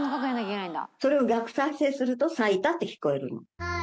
それを逆再生すると「さいた」って聞こえるの。